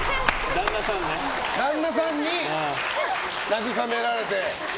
旦那さんに慰められて。